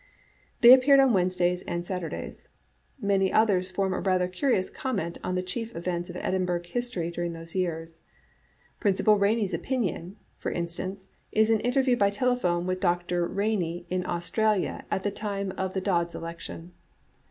They appeared on Wednesdays and Saturdays. Many others form a rather curious comment on the chief events of Edinbugh history during these years. " Prin cipal Rainy *s Opinion," for instance, is an interview by telephone with Dr. Rainy in Australia at the time of the Dods election.